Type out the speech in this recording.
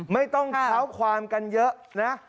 ไม่ต้องเท้าความกันเยอะนะ